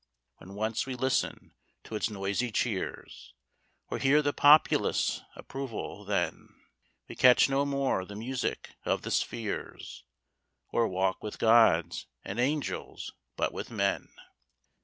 When once we listen to its noisy cheers Or hear the populace' approval, then We catch no more the music of the spheres, Or walk with gods, and angels, but with men.